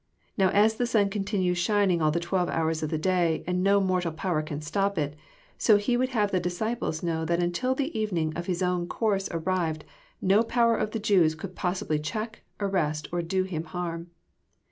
Now as the sun continues shining all the twelve hours of the day, and no mortal power can stop it, so He would have the disciples know that until the evening of His own course arrived, no power of the Jews could possibly check, arrest, or do Him harm.